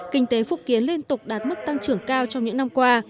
kinh tế phúc kiến liên tục đạt mức tăng trưởng cao trong những năm qua